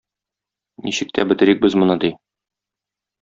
Ничек тә бетерик без моны, - ди.